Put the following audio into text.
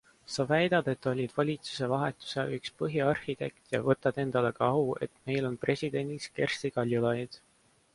Sa väidad, et olid valitsuse vahetuse üks põhiarhitekt ja võtad endale ka au, et meil on presidendiks Kersti Kaljulaid?